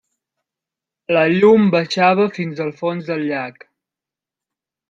La llum baixava fins al fons del llac.